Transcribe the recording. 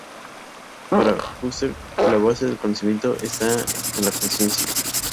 Para Husserl, la base del conocimiento está en la conciencia.